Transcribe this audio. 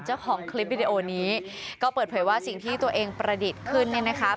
เจ้าของคลิปวิดีโอนี้ก็เปิดเผยว่าสิ่งที่ตัวเองประดิษฐ์ขึ้นเนี่ยนะคะ